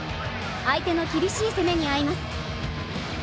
相手の厳しい攻めにあいます。